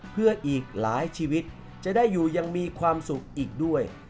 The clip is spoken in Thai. เพื่ออีกหลายชีวิตจะได้อยู่ยังมีความสุขอีกด้วย